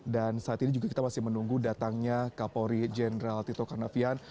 dan saat ini juga kita masih menunggu datangnya kapolri jenderal tito karnavian